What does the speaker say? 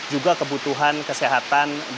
juga kebutuhan kesehatan dan keamanan